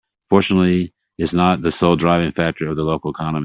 Fortunately its not the sole driving factor of the local economy.